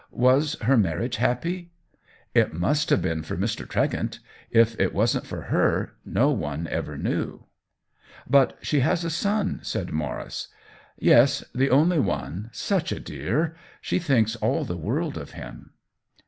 Was her mar riage happy ?"" It must have been for Mr. Tregent. If it wasn't for her, no one ever knew." " But she has a son," said Maurice. 56 THE WHEEL OF TIME "Yes, the only one — such a dear. She thinks all the world of him."